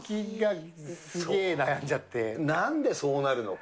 なんでそうなるのか。